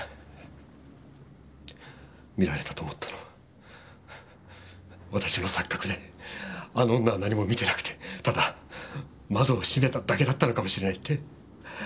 見られたと思ったのは私の錯覚であの女は何も見てなくてただ窓を閉めただけだったのかもしれないって。